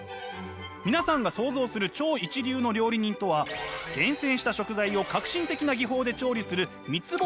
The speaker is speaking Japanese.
皆さんが想像する超一流の料理人とは厳選した食材を革新的な技法で調理する三つ星